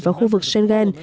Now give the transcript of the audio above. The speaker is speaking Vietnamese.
vào khu vực schengen